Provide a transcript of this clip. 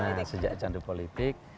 nah sejak candu politik